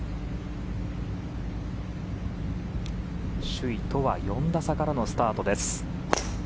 首位とは４打差からのスタートです。